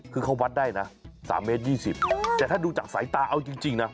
คือเขาวัดได้นะ๓เมตร๒๐แต่ถ้าดูจากสายตาเอาจริงนะ